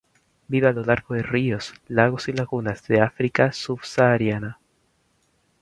Vive a lo largo de ríos, lagos y lagunas de África subsahariana.